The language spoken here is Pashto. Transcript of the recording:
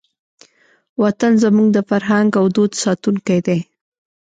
وطن زموږ د فرهنګ او دود ساتونکی دی.